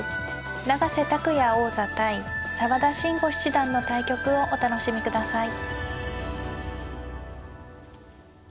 永瀬拓矢王座対澤田真吾七段の対局をお楽しみください。